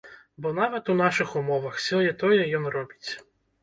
Бо нават у нашых умовах сёе-тое ён робіць.